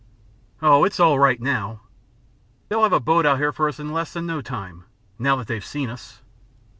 "Oh, it's all right, now." "They'll have a boat out here for us in less than no time, now that they've seen us."